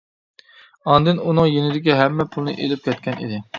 ئاندىن ئۇنىڭ يېنىدىكى ھەممە پۇلنى ئىلىپ كەتكەن ئىدى.